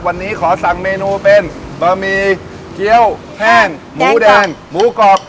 วันนี้ขอสั่งเมนูเป็นบะหมี่เกี้ยวแห้งหมูแดงหมูกรอบ